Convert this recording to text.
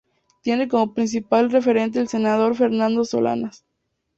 Tiene como principal referente al senador Fernando Solanas.